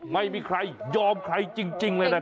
ไม่มีใครยอมใครจริงเลยนะครับ